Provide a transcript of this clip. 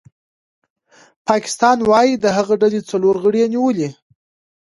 پاکستان وايي د هغې ډلې څلور غړي یې نیولي